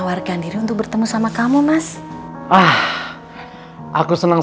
bang boleh ngebut gak bang